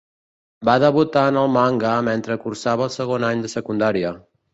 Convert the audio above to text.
Va debutar en el manga mentre cursava el segon any de secundària.